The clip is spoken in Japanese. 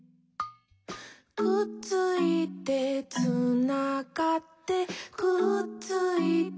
「くっついて」「つながって」「くっついて」